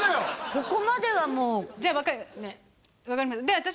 ここまではもうじゃあ分かりました